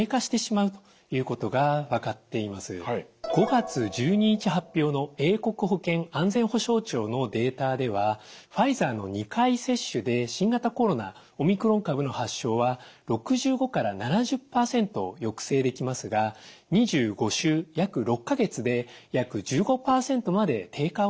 ５月１２日発表の英国保健安全保障庁のデータではファイザーの２回接種で新型コロナオミクロン株の発症は６５から７０％抑制できますが２５週約６か月で約１５％まで低下をしてしまいます。